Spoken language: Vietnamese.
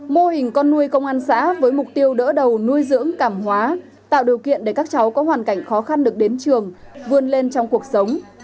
mô hình con nuôi công an xã với mục tiêu đỡ đầu nuôi dưỡng cảm hóa tạo điều kiện để các cháu có hoàn cảnh khó khăn được đến trường vươn lên trong cuộc sống